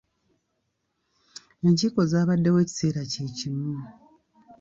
Enkiiko zaabaddewo ekiseera kye kimu.